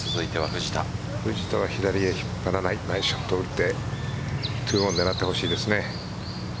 藤田は左へ引っ張らないナイスショットを打って２オンを狙ってほしいですね。